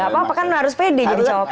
ya gak apa apa kan harus pede jadi jawabannya